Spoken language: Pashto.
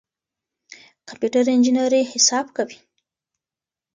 کمپيوټر انجنيري حساب کوي.